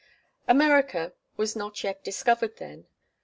America was not yet discovered then.